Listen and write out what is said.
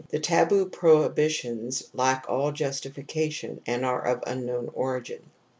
The taboo prohibitions lack all justification and are of unknown origin.